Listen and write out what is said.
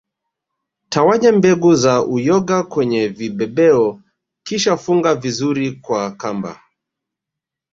Tawanya mbegu za uyoga kwenye vibebeo kisha funga vizuri kwa kamba